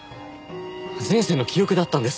前世の記憶だったんです。